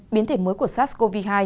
biến thể mới của sars cov hai